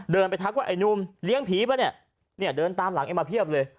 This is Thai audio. เดินไปทักว่าไอ้นุ่มเลี้ยงผีป่ะเนี่ยเดินตามหลังไอ้มาเพียบเลย